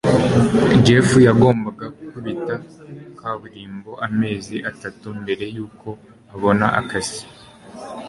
jeff yagombaga gukubita kaburimbo amezi atatu mbere yuko abona akazi